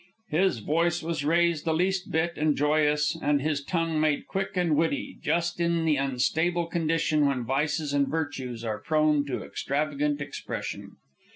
His voice was raised the least bit and joyous, and his tongue made quick and witty just in the unstable condition when vices and virtues are prone to extravagant expression.